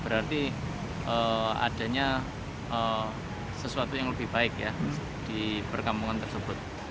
berarti adanya sesuatu yang lebih baik ya di perkampungan tersebut